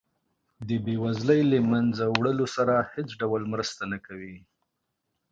د بیوزلۍ د له مینځه وړلو سره هیڅ ډول مرسته نه کوي.